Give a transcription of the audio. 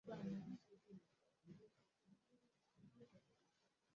Pia alifanyiwa upasuaji wa kupunguza tumbo lake kumsadia